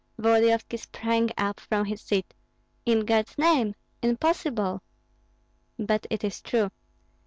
Volodyovski sprang up from his seat. "In God's name! impossible!" "But it is true.